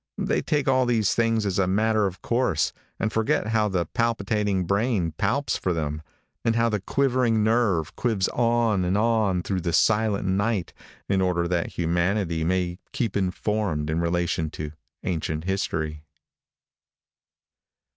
They take all these things as a matter of course, and forget how the palpitating brain palps for them, and how the quivering nerve quivs on and on through the silent night in order that humanity may keep informed in relation to ancient history.